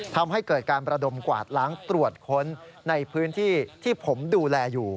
ทำให้เกิดการประดมกวาดล้างตรวจค้นในพื้นที่ที่ผมดูแลอยู่